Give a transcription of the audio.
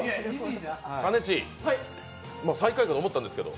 かねち、最下位だと思ってたんですけど？